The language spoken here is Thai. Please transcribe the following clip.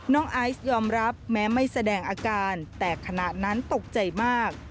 ไอซ์ยอมรับแม้ไม่แสดงอาการแต่ขณะนั้นตกใจมาก